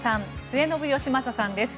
末延吉正さんです。